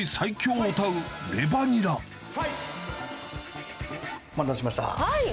お待たせしました。